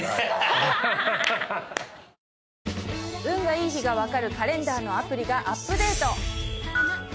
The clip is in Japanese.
運がいい日が分かるカレンダーのアプリがアップデート！